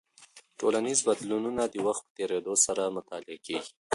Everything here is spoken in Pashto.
ټولنیز بدلونونه د وخت په تېرېدو سره مطالعه کیږي.